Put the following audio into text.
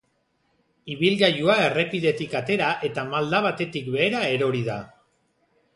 Ibilgailua errepidetik atera eta malda batetik behera erori da.